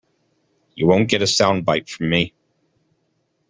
You won’t get a soundbite from me.